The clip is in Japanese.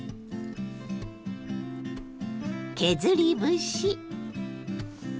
削り節。